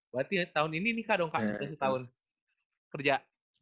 berarti tahun ini nikah dong kak kerja setahun kerja